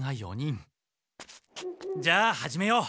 じゃあ始めよう。